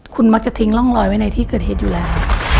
คุณมักจะทิ้งร่องรอยไว้ในที่เกิดเหตุอยู่แล้ว